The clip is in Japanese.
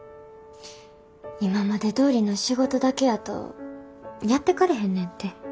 今までどおりの仕事だけやとやってかれへんねんて。